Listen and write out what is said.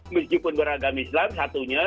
meskipun beragama islam satunya